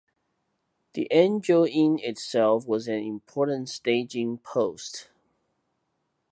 The Angel Inn itself was an important staging post.